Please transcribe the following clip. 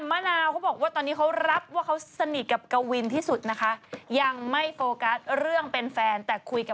กลมแล้วก็ขึ้นมายาวอย่างนี้น้ำเต้าหน้าเหมือนน้ำเต้าป้า